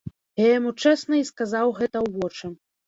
Я яму чэсна і сказаў гэта ў вочы.